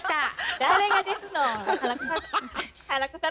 誰がですのん。